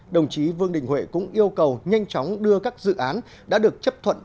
đồng chí vương đình huệ cũng yêu cầu nhanh chóng đưa các dự án đã được chấp thuận